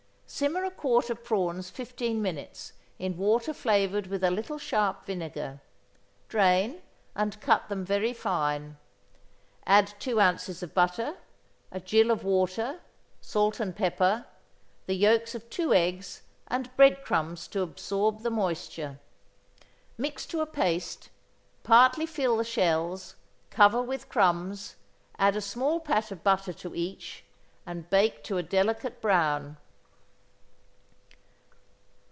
= Simmer a quart of prawns fifteen minutes in water flavored with a little sharp vinegar; drain, and cut them very fine. Add two ounces of butter, a gill of water, salt and pepper, the yolks of two eggs, and bread crumbs to absorb the moisture. Mix to a paste. Partly fill the shells, cover with crumbs, add a small pat of butter to each, and bake to a delicate brown.